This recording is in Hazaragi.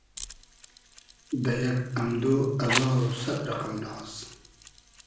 دۂ یئگ امدۉ ازار و سئد رئقئم ناز